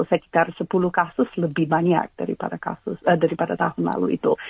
sekitar sepuluh kasus lebih banyak daripada tahun lalu itu